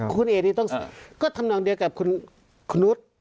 คุณเอนี่ต้องก็ทำนองเดียวกับคุณนุษย์